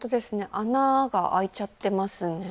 穴が開いちゃってますね。